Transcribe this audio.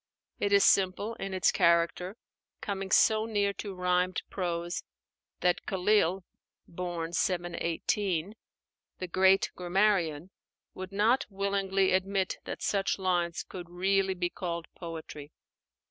It is simple in its character; coming so near to rhymed prose that Khalíl (born 718), the great grammarian, would not willingly admit that such lines could really be called poetry.